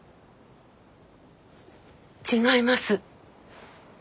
違います。